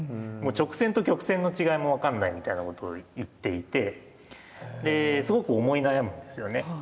直線と曲線の違いも分かんないみたいなことを言っていてですごく思い悩むんですよね。